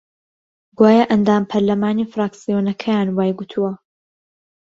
گوایە ئەندام پەرلەمانی فراکسیۆنەکەیان وای گوتووە